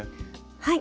はい。